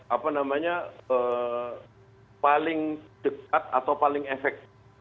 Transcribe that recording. apa namanya paling dekat atau paling efektif